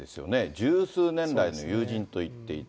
十数年来の友人と言っていた。